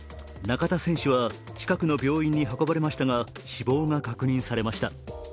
中田選手は近くの病院に運ばれましたが死亡が確認されました。